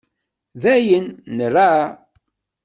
Dayen, nraε.